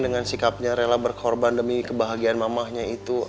dengan sikapnya rela berkorban demi kebahagiaan mamahnya itu